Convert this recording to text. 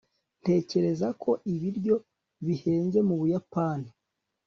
ntekereza ko ibiryo bihenze mu buyapani